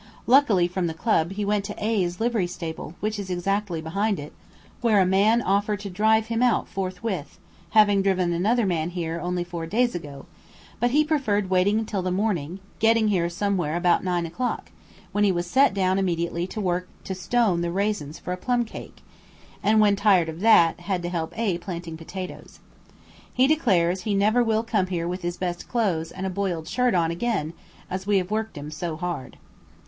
Luckily from the Club he went to A 's livery stable, which is exactly behind it, where a man offered to drive him out forthwith, having driven another man here only four days ago; but he preferred waiting till the morning, getting here somewhere about 9 o'clock, when he was set down immediately to work to stone the raisins for a plum cake, and when tired of that had to help A planting potatoes. He declares he never will come here with his best clothes and a "boiled" shirt on again, as we have worked him so hard.